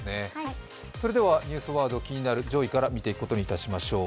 それでは、ニュースワード気になる上位から見てまいりしょう。